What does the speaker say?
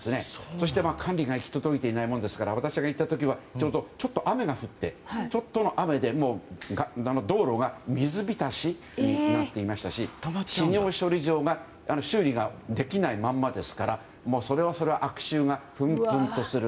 そして、管理が行き届いていないものですから私が行った時はちょうど雨が降っててちょっとの雨で道路が水浸しになっていましたしし尿処理場が修理ができないままですからそれはそれは悪臭がプンプンとする。